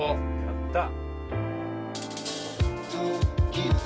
やった！